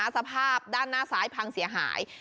สภาพด้านหน้าซ้ายพังเสียหาย